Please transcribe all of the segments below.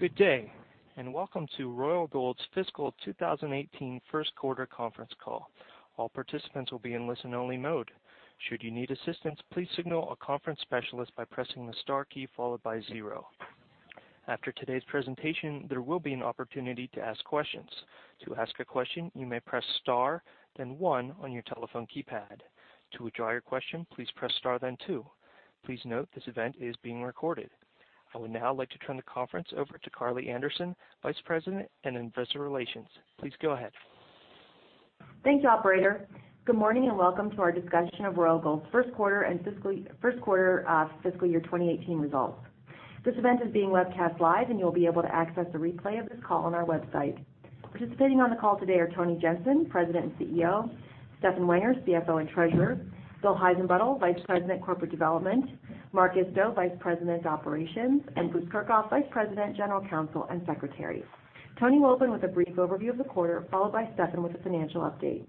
Good day. Welcome to Royal Gold's fiscal 2018 first quarter conference call. All participants will be in listen-only mode. Should you need assistance, please signal a conference specialist by pressing the star key followed by 0. After today's presentation, there will be an opportunity to ask questions. To ask a question, you may press star, then 1 on your telephone keypad. To withdraw your question, please press star, then 2. Please note this event is being recorded. I would now like to turn the conference over to Alistair Baker, Vice President, Investor Relations. Please go ahead. Thanks, operator. Good morning. Welcome to our discussion of Royal Gold's first quarter of fiscal year 2018 results. This event is being webcast live. You'll be able to access a replay of this call on our website. Participating on the call today are Tony Jensen, President and CEO; Stefan Wenger, CFO and Treasurer; Bill Heissenbuttel, Vice President, Corporate Development; Mark Isto, Vice President, Operations; and Bruce Kirchhoff, Vice President, General Counsel, and Secretary. Tony will open with a brief overview of the quarter, followed by Stefan with a financial update.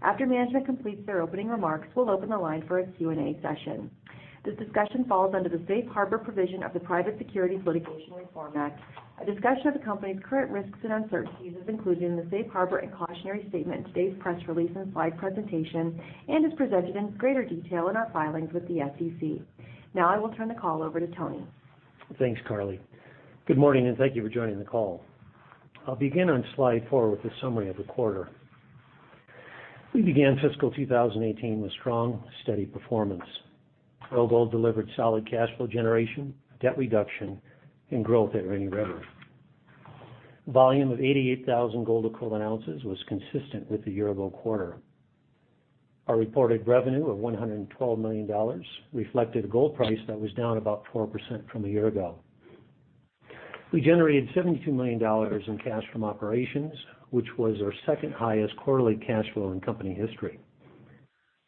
After management completes their opening remarks, we'll open the line for a Q&A session. This discussion falls under the Safe Harbor provision of the Private Securities Litigation Reform Act. A discussion of the company's current risks and uncertainties is included in the Safe Harbor and cautionary statement in today's press release and slide presentation and is presented in greater detail in our filings with the SEC. Now I will turn the call over to Tony. Thanks, Alistair. Good morning. Thank you for joining the call. I'll begin on slide four with a summary of the quarter. We began fiscal 2018 with strong, steady performance. Royal Gold delivered solid cash flow generation, debt reduction, and growth at Rainy River. Volume of 88,000 gold equivalent ounces was consistent with the year-ago quarter. Our reported revenue of $112 million reflected a gold price that was down about 4% from a year ago. We generated $72 million in cash from operations, which was our second highest quarterly cash flow in company history.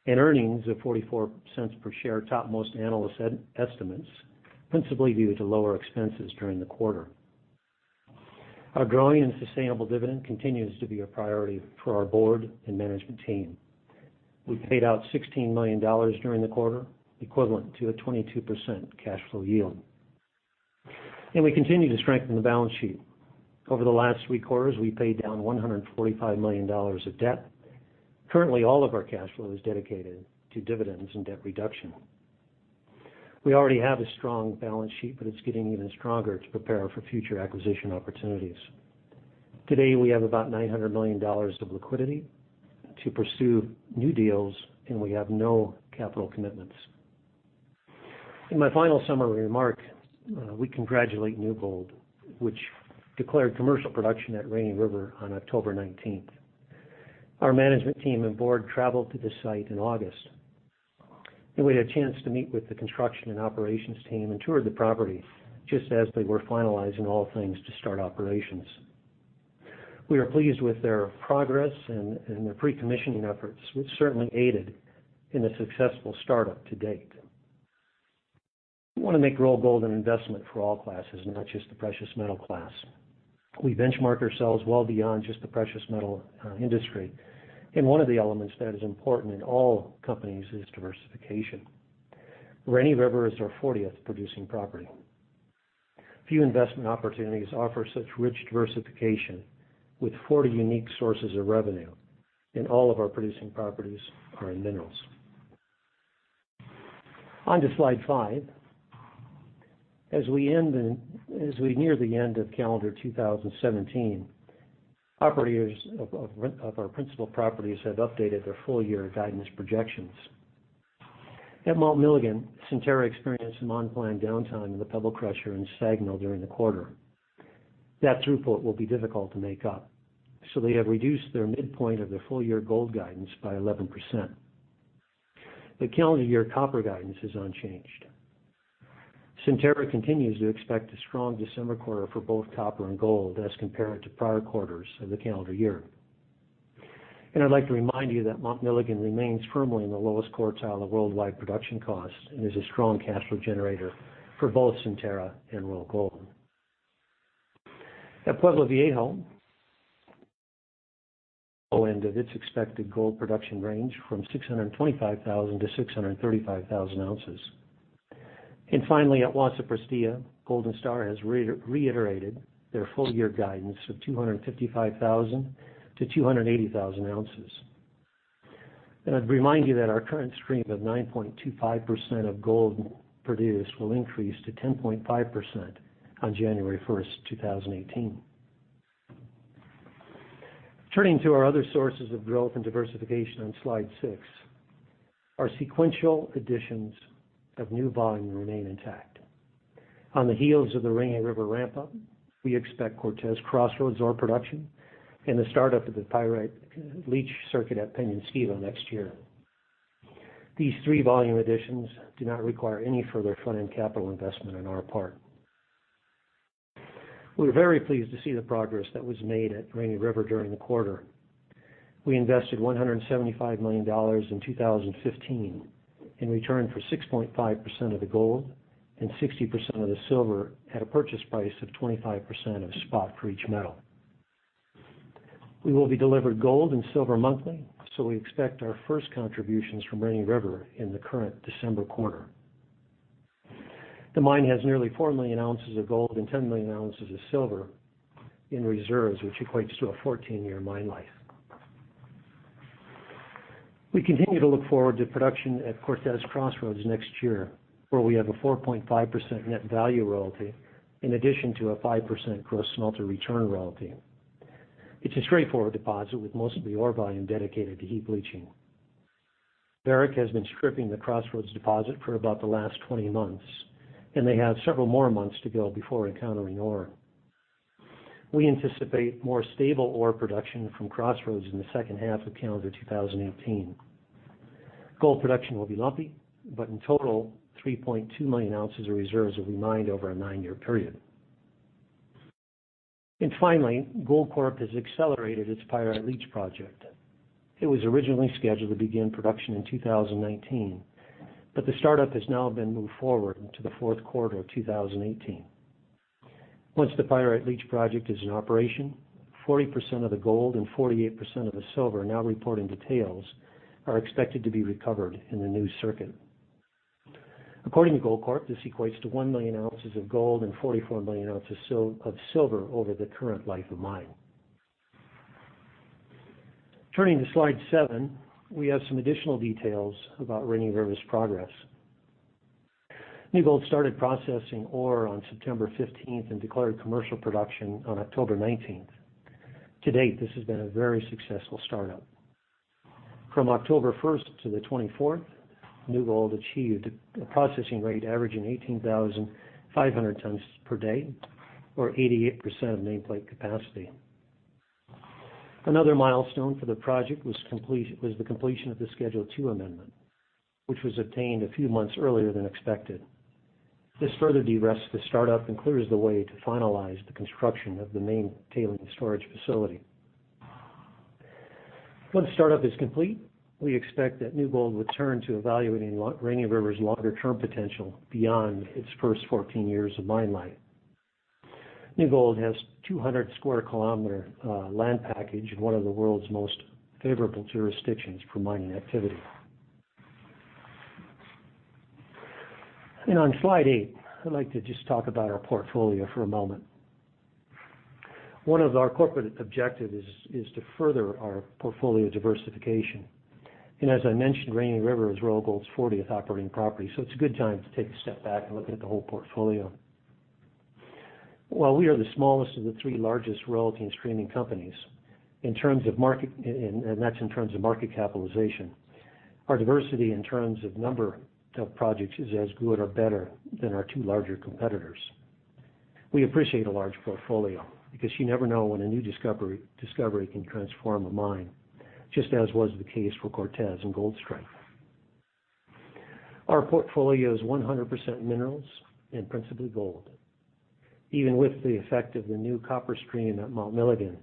Earnings of $0.44 per share topped most analysts' estimates, principally due to lower expenses during the quarter. Our growing and sustainable dividend continues to be a priority for our board and management team. We paid out $16 million during the quarter, equivalent to a 22% cash flow yield. We continue to strengthen the balance sheet. Over the last three quarters, we paid down $145 million of debt. Currently, all of our cash flow is dedicated to dividends and debt reduction. We already have a strong balance sheet, but it's getting even stronger to prepare for future acquisition opportunities. Today, we have about $900 million of liquidity to pursue new deals, and we have no capital commitments. In my final summary remark, we congratulate New Gold, which declared commercial production at Rainy River on October 19th. Our management team and board traveled to the site in August. We had a chance to meet with the construction and operations team and tour the property just as they were finalizing all things to start operations. We are pleased with their progress and their pre-commissioning efforts, which certainly aided in a successful startup to date. We want to make Royal Gold an investment for all classes, not just the precious metal class. We benchmark ourselves well beyond just the precious metal industry. One of the elements that is important in all companies is diversification. Rainy River is our 40th producing property. Few investment opportunities offer such rich diversification with 40 unique sources of revenue. All of our producing properties are in minerals. On to slide five. As we near the end of calendar 2017, operators of our principal properties have updated their full-year guidance projections. At Mount Milligan, Centerra experienced some unplanned downtime in the pebble crusher and SAG mill during the quarter. That throughput will be difficult to make up. They have reduced their midpoint of their full-year gold guidance by 11%. The calendar year copper guidance is unchanged. Centerra continues to expect a strong December quarter for both copper and gold as compared to prior quarters of the calendar year. I'd like to remind you that Mount Milligan remains firmly in the lowest quartile of worldwide production costs and is a strong cash flow generator for both Centerra and Royal Gold. At Pueblo Viejo, low end of its expected gold production range from 625,000 to 635,000 ounces. Finally, at Wassa at Prestea, Golden Star has reiterated their full-year guidance of 255,000 to 280,000 ounces. I'd remind you that our current stream of 9.25% of gold produced will increase to 10.5% on January 1st, 2018. Turning to our other sources of growth and diversification on slide six, our sequential additions of new volume remain intact. On the heels of the Rainy River ramp-up, we expect Cortez Crossroads ore production and the startup of the Pyrite Leach circuit at Peñasquito next year. These three volume additions do not require any further front-end capital investment on our part. We're very pleased to see the progress that was made at Rainy River during the quarter. We invested $175 million in 2015 in return for 6.5% of the gold and 60% of the silver at a purchase price of 25% of spot for each metal. We expect our first contributions from Rainy River in the current December quarter. The mine has nearly four million ounces of gold and 10 million ounces of silver in reserves, which equates to a 14-year mine life. We continue to look forward to production at Cortez Crossroads next year, where we have a 4.5% net value royalty in addition to a 5% gross smelter return royalty. It's a straightforward deposit with most of the ore volume dedicated to heap leaching. Barrick has been stripping the Crossroads deposit for about the last 20 months, and they have several more months to go before encountering ore. We anticipate more stable ore production from Crossroads in the second half of calendar 2018. Gold production will be lumpy, but in total, 3.2 million ounces of reserves will be mined over a nine-year period. Finally, Goldcorp has accelerated its Pyrite Leach project. It was originally scheduled to begin production in 2019, but the startup has now been moved forward into the fourth quarter of 2018. Once the Pyrite Leach project is in operation, 40% of the gold and 48% of the silver now reporting to tails are expected to be recovered in the new circuit. According to Goldcorp, this equates to 1 million ounces of gold and 44 million ounces of silver over the current life of mine. Turning to slide seven, we have some additional details about Rainy River's progress. New Gold started processing ore on September 15th and declared commercial production on October 19th. To date, this has been a very successful startup. From October 1st to the 24th, New Gold achieved a processing rate averaging 18,500 tons per day or 88% of nameplate capacity. Another milestone for the project was the completion of the Schedule 2 amendment, which was obtained a few months earlier than expected. This further derisks the startup and clears the way to finalize the construction of the main tailings storage facility. Once the startup is complete, we expect that New Gold will turn to evaluating Rainy River's longer-term potential beyond its first 14 years of mine life. New Gold has a 200 square kilometer land package in one of the world's most favorable jurisdictions for mining activity. On slide eight, I'd like to just talk about our portfolio for a moment. One of our corporate objectives is to further our portfolio diversification. As I mentioned, Rainy River is Royal Gold's 40th operating property, so it's a good time to take a step back and look at the whole portfolio. While we are the smallest of the three largest royalty and streaming companies, and that's in terms of market capitalization, our diversity in terms of number of projects is as good or better than our two larger competitors. We appreciate a large portfolio because you never know when a new discovery can transform a mine, just as was the case for Cortez and Goldstrike. Our portfolio is 100% minerals and principally gold. Even with the effect of the new copper stream at Mount Milligan,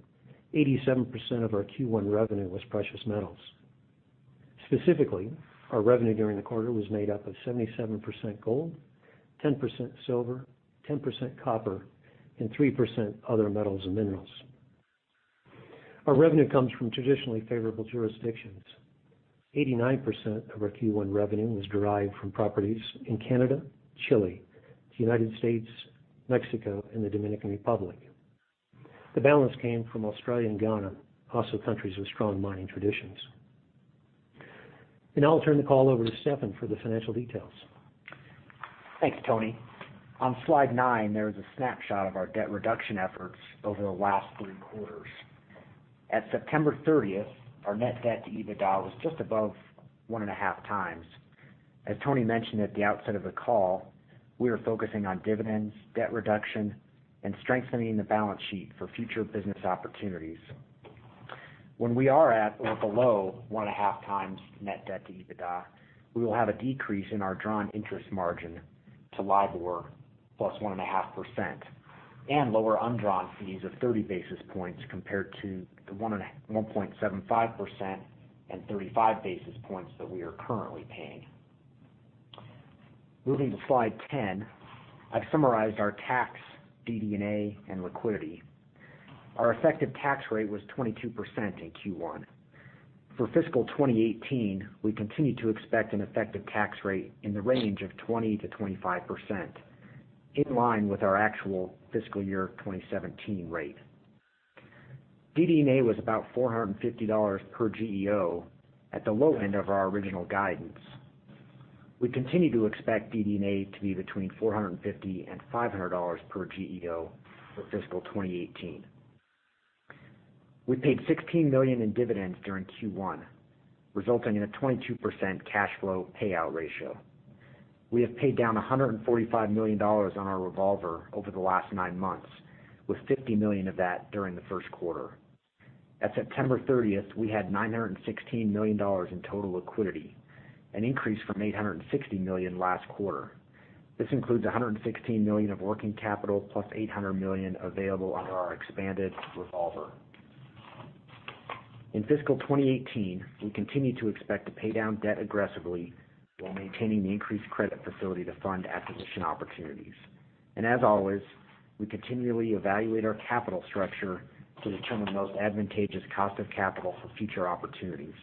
87% of our Q1 revenue was precious metals. Specifically, our revenue during the quarter was made up of 77% gold, 10% silver, 10% copper, and 3% other metals and minerals. Our revenue comes from traditionally favorable jurisdictions. 89% of our Q1 revenue was derived from properties in Canada, Chile, the United States, Mexico, and the Dominican Republic. The balance came from Australia and Ghana, also countries with strong mining traditions. Now I'll turn the call over to Stefan for the financial details. Thanks, Tony. On slide nine, there is a snapshot of our debt reduction efforts over the last three quarters. At September 30th, our net debt to EBITDA was just above one and a half times. As Tony mentioned at the outset of the call, we are focusing on dividends, debt reduction, and strengthening the balance sheet for future business opportunities. When we are at or below one and a half times net debt to EBITDA, we will have a decrease in our drawn interest margin to LIBOR +1.5% and lower undrawn fees of 30 basis points compared to the 1.75% and 35 basis points that we are currently paying. Moving to slide 10, I've summarized our tax, DD&A, and liquidity. Our effective tax rate was 22% in Q1. For fiscal 2018, we continue to expect an effective tax rate in the range of 20%-25%, in line with our actual fiscal year 2017 rate. DD&A was about $450 per GEO at the low end of our original guidance. We continue to expect DD&A to be between $450-$500 per GEO for fiscal 2018. We paid $16 million in dividends during Q1, resulting in a 22% cash flow payout ratio. We have paid down $145 million on our revolver over the last nine months, with $50 million of that during the first quarter. At September 30th, we had $916 million in total liquidity, an increase from $860 million last quarter. This includes $116 million of working capital plus $800 million available under our expanded revolver. In fiscal 2018, we continue to expect to pay down debt aggressively while maintaining the increased credit facility to fund acquisition opportunities. As always, we continually evaluate our capital structure to determine the most advantageous cost of capital for future opportunities.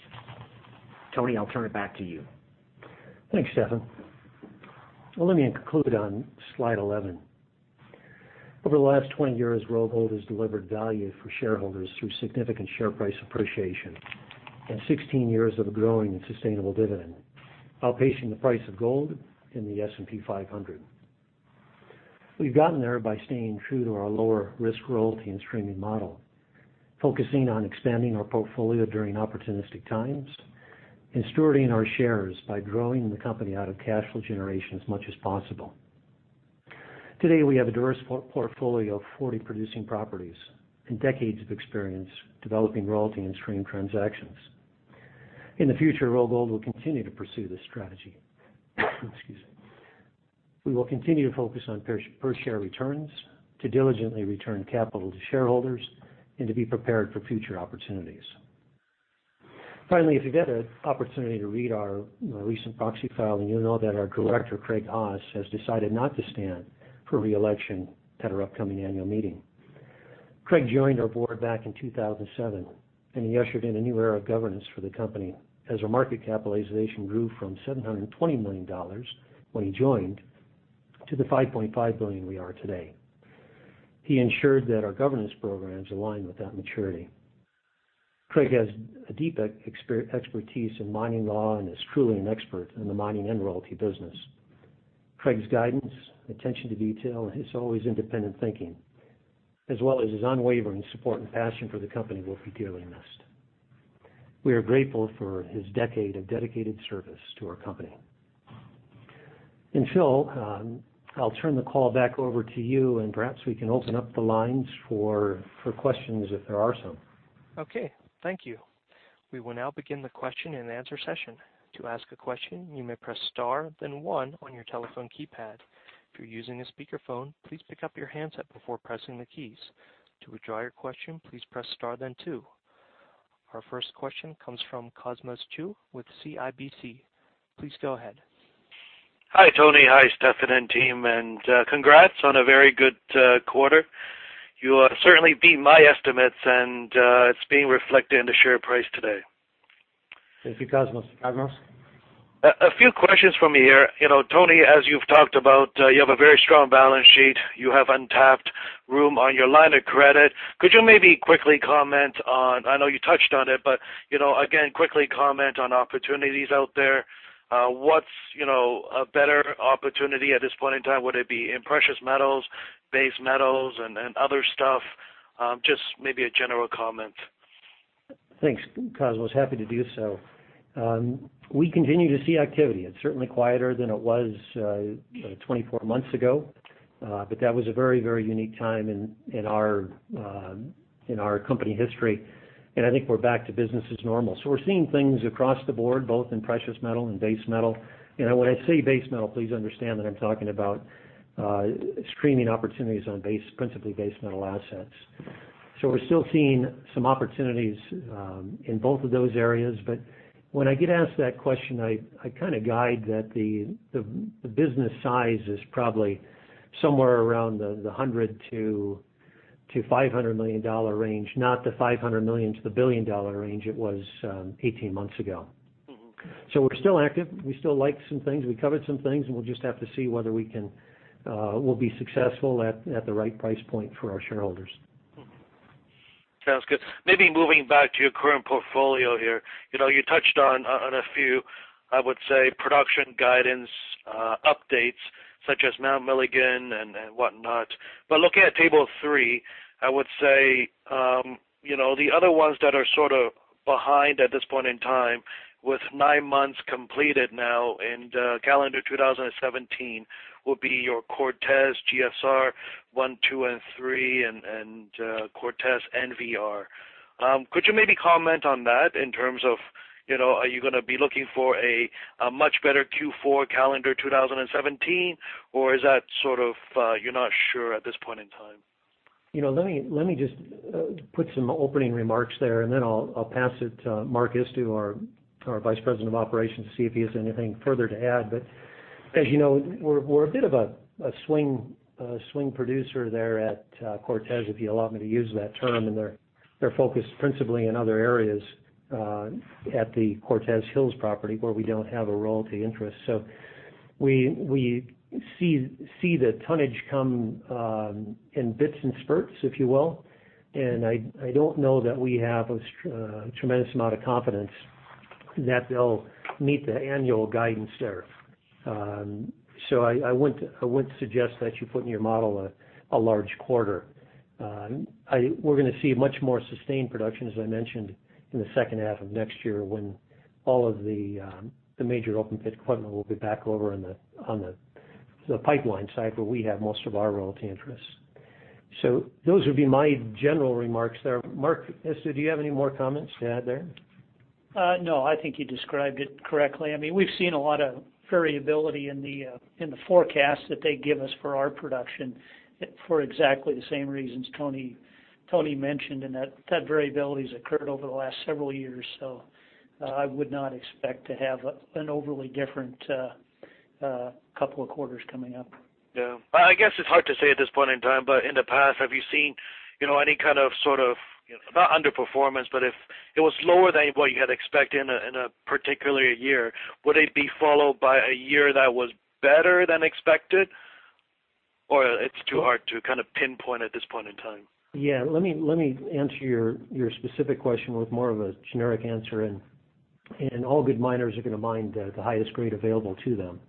Tony, I'll turn it back to you. Thanks, Stefan. Well, let me conclude on slide 11. Over the last 20 years, Royal Gold has delivered value for shareholders through significant share price appreciation and 16 years of a growing and sustainable dividend, outpacing the price of gold in the S&P 500. We've gotten there by staying true to our lower risk royalty and streaming model, focusing on expanding our portfolio during opportunistic times, and stewarding our shares by growing the company out of cash flow generation as much as possible. Today, we have a diverse portfolio of 40 producing properties and decades of experience developing royalty and stream transactions. In the future, Royal Gold will continue to pursue this strategy. Excuse me. We will continue to focus on per share returns, to diligently return capital to shareholders, and to be prepared for future opportunities. If you get an opportunity to read our recent proxy filing, you'll know that our director, Craig Ashman, has decided not to stand for re-election at our upcoming annual meeting. Craig joined our board back in 2007, and he ushered in a new era of governance for the company as our market capitalization grew from $720 million when he joined to the $5.5 billion we are today. He ensured that our governance programs align with that maturity. Craig has a deep expertise in mining law and is truly an expert in the mining and royalty business. Craig's guidance, attention to detail, his always independent thinking, as well as his unwavering support and passion for the company will be dearly missed. We are grateful for his decade of dedicated service to our company. Phil, I'll turn the call back over to you, and perhaps we can open up the lines for questions if there are some. Thank you. We will now begin the question and answer session. To ask a question, you may press star then one on your telephone keypad. If you're using a speakerphone, please pick up your handset before pressing the keys. To withdraw your question, please press star then two. Our first question comes from Cosmos Chiu with CIBC. Please go ahead. Hi, Tony. Hi, Stefan and team. Congrats on a very good quarter. You certainly beat my estimates, and it's being reflected in the share price today. Thank you, Cosmos. A few questions from me here. Tony, as you've talked about, you have a very strong balance sheet. You have untapped room on your line of credit. Could you maybe quickly comment on, I know you touched on it, but again, quickly comment on opportunities out there. What's a better opportunity at this point in time? Would it be in precious metals, base metals, and other stuff? Just maybe a general comment. Thanks, Cosmos. Happy to do so. We continue to see activity. It's certainly quieter than it was 24 months ago, but that was a very, very unique time in our company history, and I think we're back to business as normal. We're seeing things across the board, both in precious metal and base metal. When I say base metal, please understand that I'm talking about streaming opportunities on principally base metal assets. We're still seeing some opportunities in both of those areas. When I get asked that question, I kind of guide that the business size is probably somewhere around the $100 million-$500 million range, not the $500 million-$1 billion range it was 18 months ago. We're still active. We still like some things. We covered some things, and we'll just have to see whether we'll be successful at the right price point for our shareholders. Sounds good. Moving back to your current portfolio here. You touched on a few, I would say, production guidance updates, such as Mount Milligan and whatnot. Looking at table three, I would say, the other ones that are sort of behind at this point in time with nine months completed now in calendar 2017 will be your Cortez GSR 1, 2, and 3, and Cortez NVR. Could you maybe comment on that in terms of, are you going to be looking for a much better Q4 calendar 2017, or is that sort of, you're not sure at this point in time? Let me just put some opening remarks there, and then I'll pass it to Mark Isto, our Vice President of Operations, to see if he has anything further to add. As you know, we're a bit of a swing producer there at Cortez, if you allow me to use that term, and they're focused principally in other areas at the Cortez Hills property, where we don't have a royalty interest. We see the tonnage come in bits and spurts, if you will. I don't know that we have a tremendous amount of confidence that they'll meet the annual guidance there. I wouldn't suggest that you put in your model a large quarter. We're going to see much more sustained production, as I mentioned, in the second half of next year when all of the major open pit equipment will be back over on the pipeline side, where we have most of our royalty interests. Those would be my general remarks there. Mark Isto, do you have any more comments to add there? No, I think you described it correctly. We've seen a lot of variability in the forecast that they give us for our production for exactly the same reasons Tony mentioned, and that variability's occurred over the last several years. I would not expect to have an overly different couple of quarters coming up. Yeah. I guess it's hard to say at this point in time, in the past, have you seen any kind of, not underperformance, but if it was slower than what you had expected in a particular year, would it be followed by a year that was better than expected? It's too hard to pinpoint at this point in time? Yeah. Let me answer your specific question with more of a generic answer. All good miners are going to mine the highest grade available to them.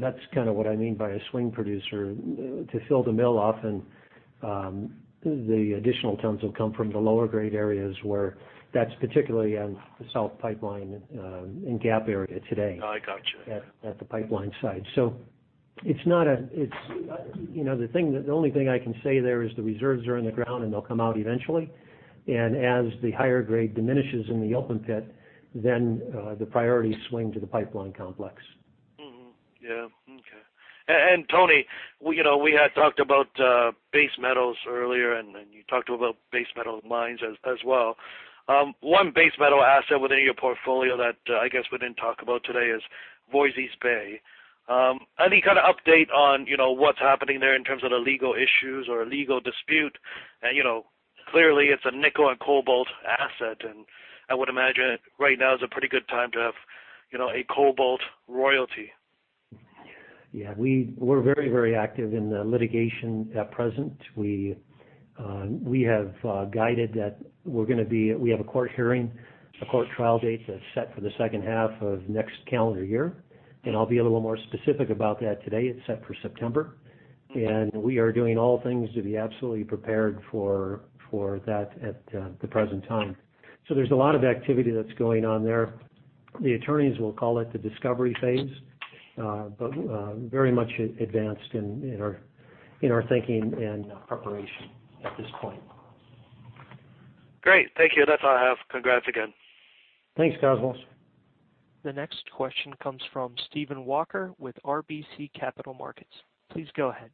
That's what I mean by a swing producer. To fill the mill off and the additional tons will come from the lower grade areas where that's particularly on the South pipeline, in Gap area today. I got you The only thing I can say there is the reserves are in the ground, and they'll come out eventually. As the higher grade diminishes in the open pit, then, the priorities swing to the pipeline complex. Mm-hmm. Yeah. Okay. Tony, we had talked about base metals earlier, and you talked about base metal mines as well. One base metal asset within your portfolio that I guess we didn't talk about today is Voisey's Bay. Any kind of update on what's happening there in terms of the legal issues or legal dispute? Clearly it's a nickel and cobalt asset, and I would imagine right now is a pretty good time to have a cobalt royalty. Yeah, we're very active in the litigation at present. We have guided that we have a court hearing, a court trial date that's set for the second half of next calendar year, I'll be a little more specific about that today. It's set for September. We are doing all things to be absolutely prepared for that at the present time. There's a lot of activity that's going on there. The attorneys will call it the discovery phase, but very much advanced in our thinking and preparation at this point. Great. Thank you. That's all I have. Congrats again. Thanks, Cosmos. The next question comes from Steven Butler with RBC Capital Markets. Please go ahead.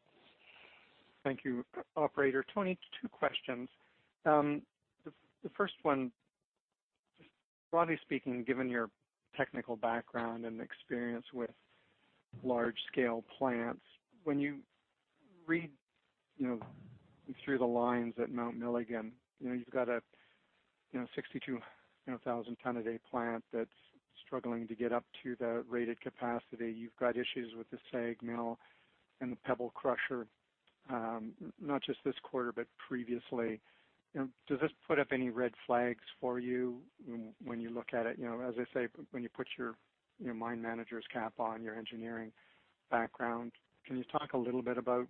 Thank you, operator. Tony, two questions. The first one, broadly speaking, given your technical background and experience with large scale plants, when you read through the lines at Mount Milligan, you've got a 62,000 tons a day plant that's struggling to get up to the rated capacity. You've got issues with the SAG mill and the pebble crusher, not just this quarter, but previously. Does this put up any red flags for you when you look at it? As I say, when you put your mine manager's cap on, your engineering background, can you talk a little bit about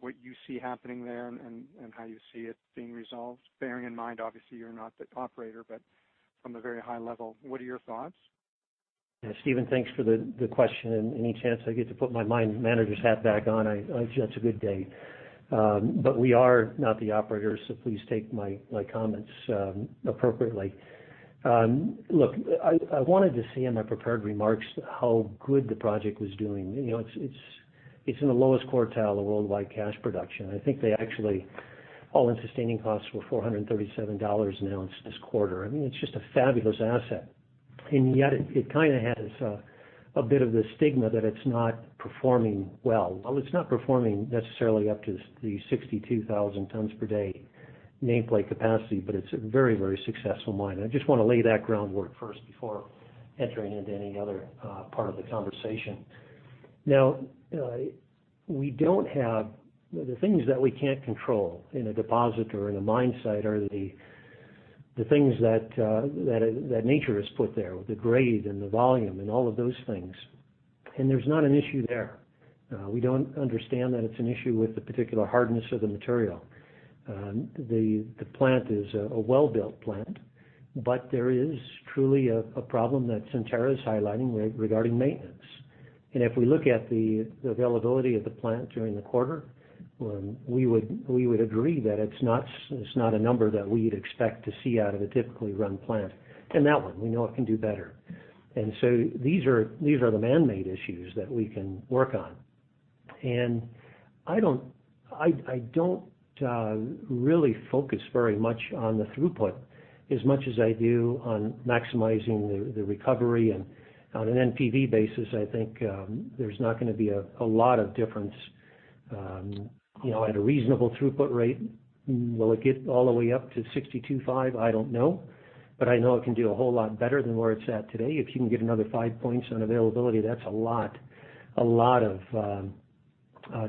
what you see happening there and how you see it being resolved, bearing in mind, obviously, you're not the operator, but from a very high level, what are your thoughts? Steven, thanks for the question. Any chance I get to put my mine manager's hat back on, that's a good day. We are not the operator, so please take my comments appropriately. I wanted to say in my prepared remarks how good the project was doing. It's in the lowest quartile of worldwide cash production. I think they actually, all-in sustaining costs were $437 an ounce this quarter. It's just a fabulous asset, and yet it kind of has a bit of the stigma that it's not performing well. It's not performing necessarily up to the 62,000 tons per day nameplate capacity, but it's a very successful mine. I just want to lay that groundwork first before entering into any other part of the conversation. The things that we can't control in a deposit or in a mine site are the things that nature has put there, the grade and the volume and all of those things. There's not an issue there. We don't understand that it's an issue with the particular hardness of the material. The plant is a well-built plant, but there is truly a problem that Centerra's highlighting regarding maintenance. If we look at the availability of the plant during the quarter, we would agree that it's not a number that we'd expect to see out of a typically run plant. That one, we know it can do better. These are the man-made issues that we can work on. I don't really focus very much on the throughput as much as I do on maximizing the recovery and on an NPV basis, I think there's not going to be a lot of difference at a reasonable throughput rate. Will it get all the way up to 62,500? I don't know, but I know it can do a whole lot better than where it's at today. If you can get another five points on availability, that's a lot of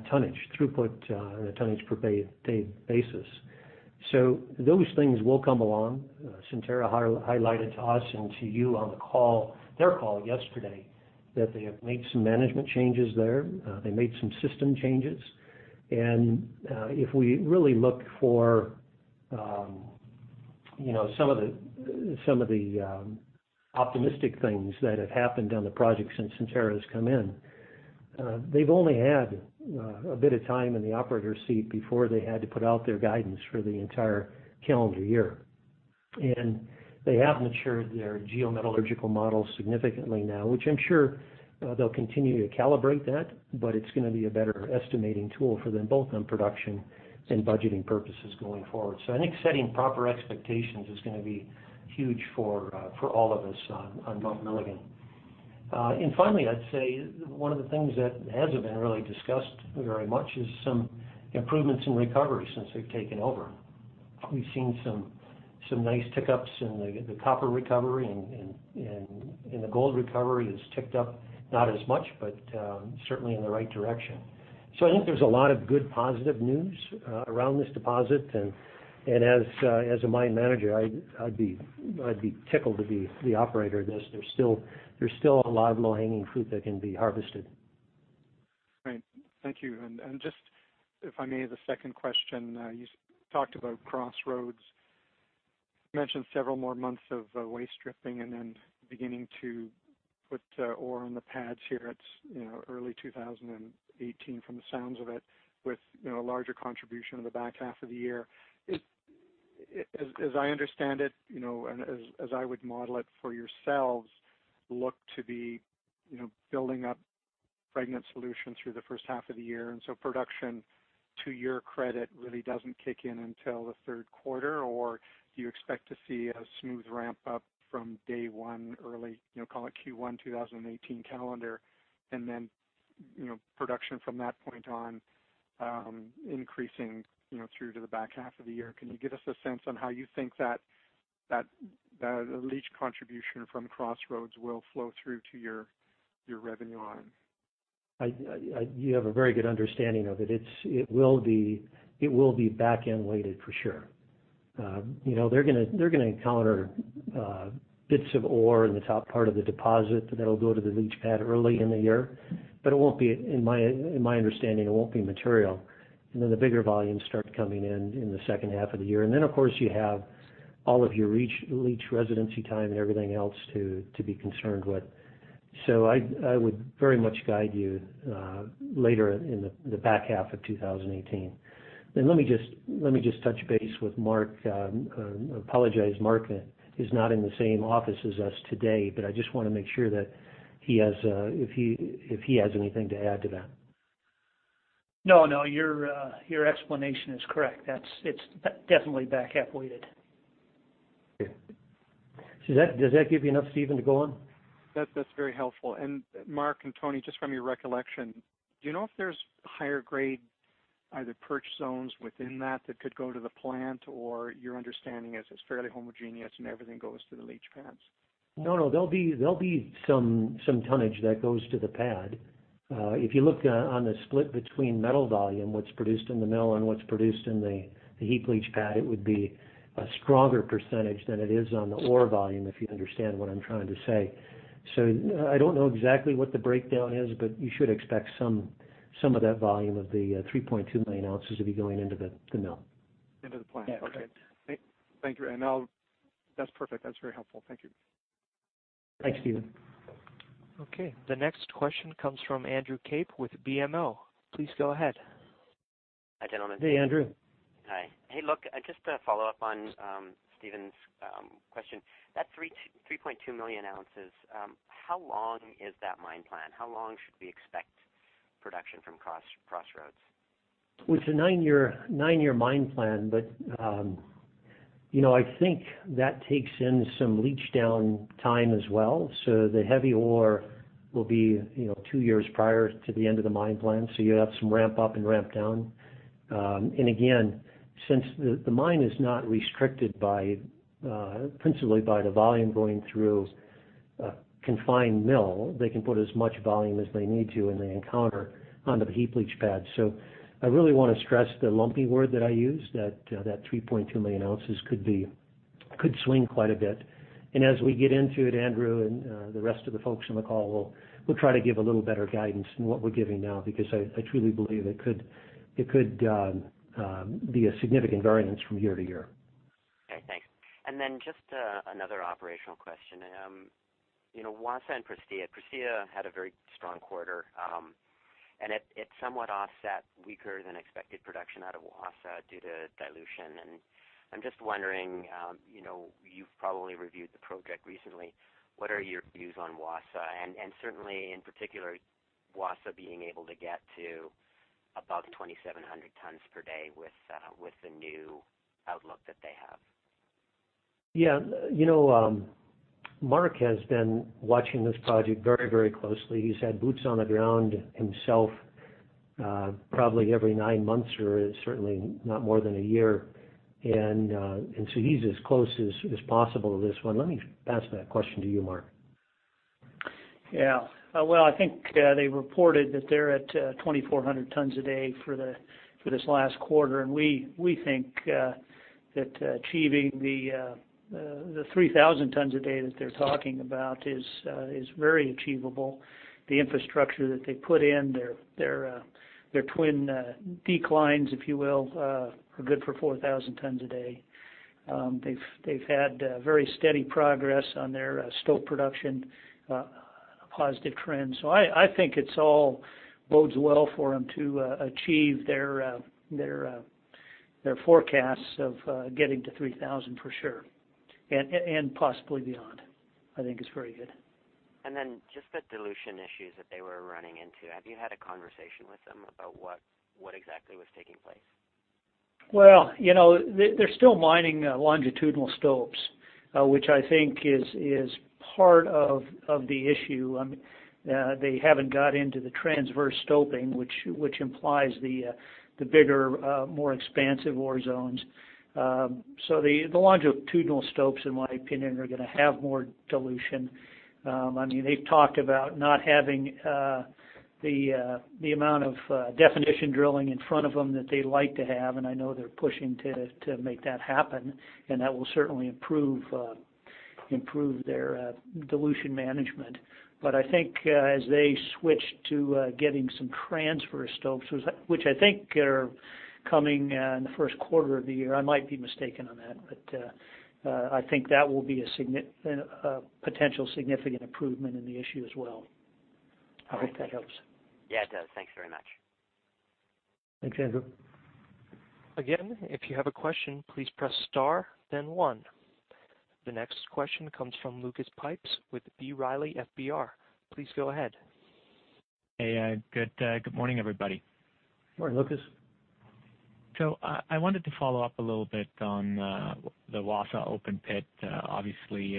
tonnage throughput on a tonnage per day basis. Those things will come along. Centerra highlighted to us and to you on their call yesterday that they have made some management changes there. They made some system changes, and if we really look for some of the optimistic things that have happened on the project since Centerra has come in. They've only had a bit of time in the operator seat before they had to put out their guidance for the entire calendar year. They have matured their geometallurgical model significantly now, which I'm sure they'll continue to calibrate that, but it's going to be a better estimating tool for them, both on production and budgeting purposes going forward. I think setting proper expectations is going to be huge for all of us on Mount Milligan. Finally, I'd say one of the things that hasn't been really discussed very much is some improvements in recovery since they've taken over. We've seen some nice tick ups in the copper recovery, and the gold recovery has ticked up, not as much, but certainly in the right direction. I think there's a lot of good positive news around this deposit, and as a mine manager, I'd be tickled to be the operator of this. There's still a lot of low-hanging fruit that can be harvested. Great. Thank you. Just if I may, the second question, you talked about Crossroads. You mentioned several more months of waste stripping and then beginning to put ore in the pads here at early 2018 from the sounds of it, with a larger contribution in the back half of the year. As I understand it, and as I would model it for yourselves, look to be building up pregnant solution through the first half of the year, and so production to your credit really doesn't kick in until the third quarter, or do you expect to see a smooth ramp-up from day one early, call it Q1 2018 calendar, and then production from that point on increasing through to the back half of the year? Can you give us a sense on how you think that leach contribution from Crossroads will flow through to your revenue line? You have a very good understanding of it. It will be back-end weighted, for sure. They're going to encounter bits of ore in the top part of the deposit that'll go to the leach pad early in the year, but in my understanding, it won't be material. The bigger volumes start coming in in the second half of the year. Of course, you have all of your leach residency time and everything else to be concerned with. I would very much guide you later in the back half of 2018. Let me just touch base with Mark. I apologize, Mark is not in the same office as us today, but I just want to make sure that if he has anything to add to that. No, your explanation is correct. It's definitely back half weighted. Okay. Does that give you enough, Steven, to go on? That's very helpful. Mark and Tony, just from your recollection, do you know if there's higher grade, either patch zones within that that could go to the plant or your understanding is it's fairly homogeneous, and everything goes to the leach pads? No, there'll be some tonnage that goes to the pad. If you look on the split between metal volume, what's produced in the mill and what's produced in the heap leach pad, it would be a stronger percentage than it is on the ore volume if you understand what I'm trying to say. I don't know exactly what the breakdown is, but you should expect some of that volume of the 3.2 million ounces to be going into the mill. Into the plant. Yeah, correct. Okay. Thank you. That's perfect. That's very helpful. Thank you. Thanks, Steven. The next question comes from Andrew Kaip with BMO. Please go ahead. Hi, gentlemen. Hey, Andrew. Hi. Hey, look, just to follow up on Steven's question, that 3.2 million ounces, how long is that mine plan? How long should we expect production from Crossroads? It's a nine-year mine plan, but I think that takes in some leach down time as well. The heavy ore will be two years prior to the end of the mine plan, so you have some ramp up and ramp down. Again, since the mine is not restricted principally by the volume going through a confined mill, they can put as much volume as they need to and they encounter on the heap leach pad. I really want to stress the lumpy word that I used, that 3.2 million ounces could swing quite a bit. As we get into it, Andrew, and the rest of the folks on the call will try to give a little better guidance than what we're giving now, because I truly believe it could be a significant variance from year to year. Okay, thanks. Just another operational question. Wassa and Prestea. Prestea had a very strong quarter. It somewhat offset weaker than expected production out of Wassa due to dilution. I'm just wondering, you've probably reviewed the project recently. What are your views on Wassa, and certainly in particular, Wassa being able to get to above 2,700 tons per day with the new outlook that they have? Yeah. Mark has been watching this project very closely. He's had boots on the ground himself, probably every nine months or certainly not more than a year. He's as close as possible to this one. Let me pass that question to you, Mark. Yeah. Well, I think they reported that they're at 2,400 tons a day for this last quarter. We think that achieving the 3,000 tons a day that they're talking about is very achievable. The infrastructure that they put in, their twin declines, if you will, are good for 4,000 tons a day. They've had very steady progress on their stope production. A positive trend. I think it all bodes well for them to achieve their forecasts of getting to 3,000, for sure, and possibly beyond. I think it's very good. Just the dilution issues that they were running into. Have you had a conversation with them about what exactly was taking place? They're still mining longitudinal stopes, which I think is part of the issue. They haven't got into the transverse stoping, which implies the bigger, more expansive ore zones. The longitudinal stopes, in my opinion, are going to have more dilution. They've talked about not having the amount of definition drilling in front of them that they like to have, and I know they're pushing to make that happen, and that will certainly improve their dilution management. I think as they switch to getting some transverse stopes, which I think are coming in the first quarter of the year, I might be mistaken on that, but I think that will be a potential significant improvement in the issue as well. I hope that helps. Yeah, it does. Thanks very much. Thanks, Andrew. If you have a question, please press star then one. The next question comes from Lucas Pipes with B. Riley FBR. Please go ahead. Hey, good morning, everybody. Morning, Lucas. I wanted to follow up a little bit on the Wassa open pit. Obviously,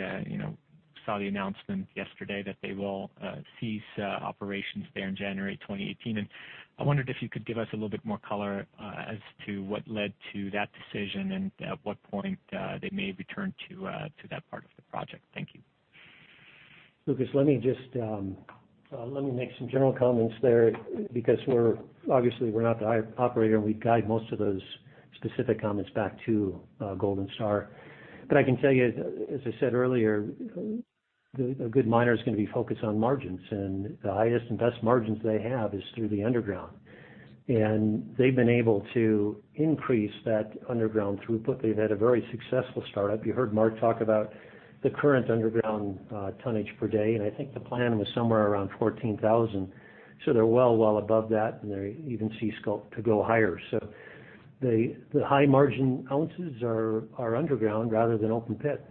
saw the announcement yesterday that they will cease operations there in January 2018. I wondered if you could give us a little bit more color as to what led to that decision and at what point they may return to that part of the project. Thank you. Lucas, let me make some general comments there, because obviously we're not the operator, and we guide most of those specific comments back to Golden Star. I can tell you, as I said earlier, a good miner is going to be focused on margins, and the highest and best margins they have is through the underground. They've been able to increase that underground throughput. They've had a very successful start up. You heard Mark talk about the current underground tonnage per day, and I think the plan was somewhere around 14,000. They're well above that, and they even cease to go higher. The high margin ounces are underground rather than open pit.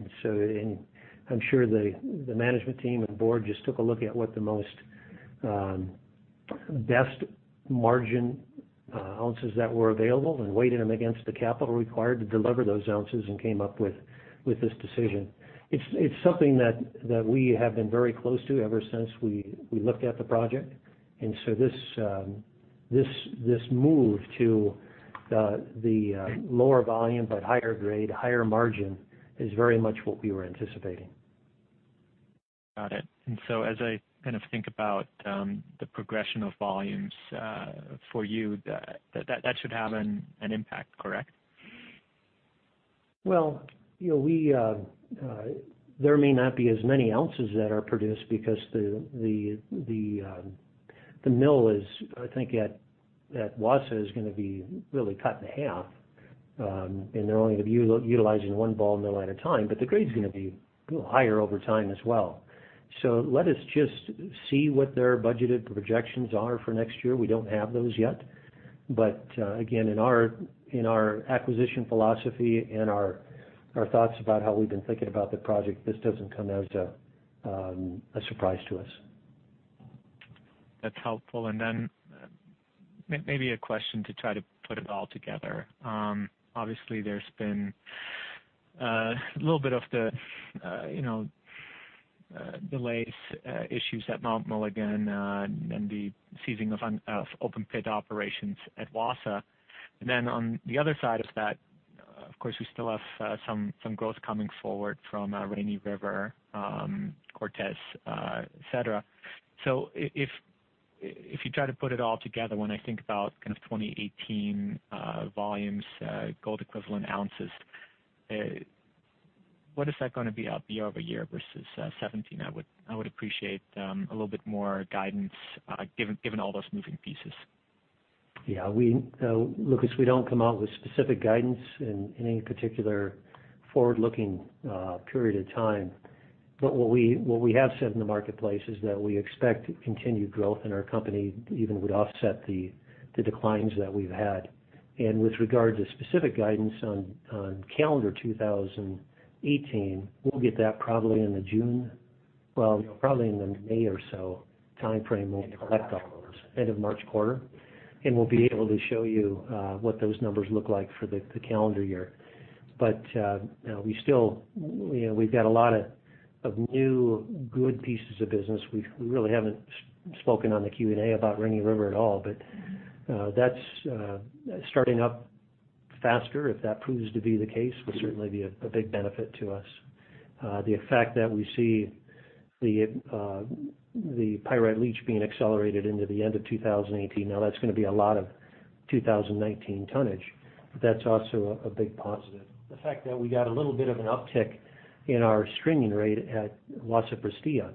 I'm sure the management team and board just took a look at what the most best margin ounces that were available and weighted them against the capital required to deliver those ounces and came up with this decision. It's something that we have been very close to ever since we looked at the project. This move to the lower volume, but higher grade, higher margin, is very much what we were anticipating. Got it. As I think about the progression of volumes for you, that should have an impact, correct? Well, there may not be as many ounces that are produced because the mill is, I think, at Wassa is going to be really cut in half, and they're only going to be utilizing one ball mill at a time, but the grade's going to be higher over time as well. Let us just see what their budgeted projections are for next year. We don't have those yet. Again, in our acquisition philosophy and our thoughts about how we've been thinking about the project, this doesn't come as a surprise to us. That's helpful. Maybe a question to try to put it all together. Obviously, there's been a little bit of the delays, issues at Mount Milligan, and the ceasing of open pit operations at Wassa. On the other side of that, of course, we still have some growth coming forward from Rainy River, Cortez, et cetera. If you try to put it all together, when I think about kind of 2018 volumes, gold equivalent ounces, what is that going to be up year-over-year versus 2017? I would appreciate a little bit more guidance given all those moving pieces. Lucas, we don't come out with specific guidance in any particular forward-looking period of time. What we have said in the marketplace is that we expect continued growth in our company even would offset the declines that we've had. With regard to specific guidance on calendar 2018, we'll get that probably in the June, well, probably in the May or so timeframe, we'll collect all those end of March quarter, and we'll be able to show you what those numbers look like for the calendar year. We've got a lot of new good pieces of business. We really haven't spoken on the Q&A about Rainy River at all, but that's starting up faster. If that proves to be the case, would certainly be a big benefit to us. The effect that we see the Pyrite Leach being accelerated into the end of 2018. That's going to be a lot of 2019 tonnage. That's also a big positive. The fact that we got a little bit of an uptick in our streaming rate at Wassa, Prestea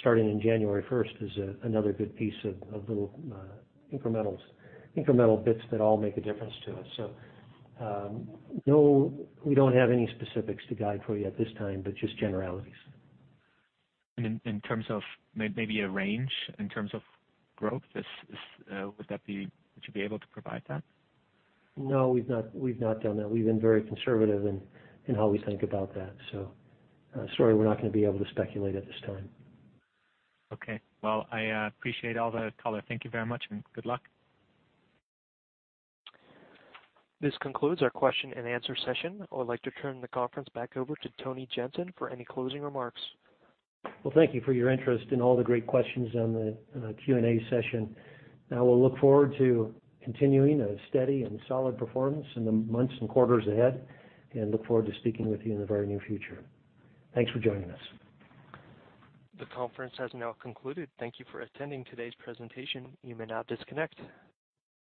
starting in January 1st is another good piece of little incremental bits that all make a difference to us. We don't have any specifics to guide for you at this time, but just generalities. In terms of maybe a range in terms of growth, would you be able to provide that? We've not done that. We've been very conservative in how we think about that. Sorry, we're not going to be able to speculate at this time. Okay. Well, I appreciate all the color. Thank you very much, and good luck. This concludes our question and answer session. I would like to turn the conference back over to Tony Jensen for any closing remarks. Well, thank you for your interest and all the great questions on the Q&A session. I will look forward to continuing a steady and solid performance in the months and quarters ahead and look forward to speaking with you in the very near future. Thanks for joining us. The conference has now concluded. Thank you for attending today's presentation. You may now disconnect.